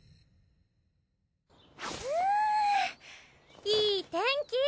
うんいい天気！